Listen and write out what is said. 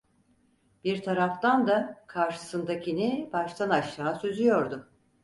Bir taraftan da karşısındakini baştan aşağı süzüyordu.